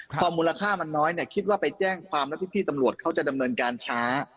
พอมูลค่ามันน้อยเนี่ยคิดว่าไปแจ้งความแล้วพี่ตำรวจเขาจะดำเนินการช้า